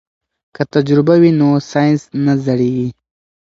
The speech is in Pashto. که تجربه وي نو ساینس نه زړیږي.